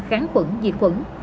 kháng khuẩn diệt khuẩn